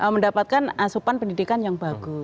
mendapatkan asupan pendidikan yang bagus